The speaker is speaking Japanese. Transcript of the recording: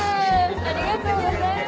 ありがとうございます。